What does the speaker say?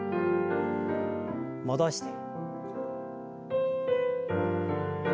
戻して。